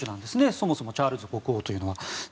そもそもチャールズ国王というのは。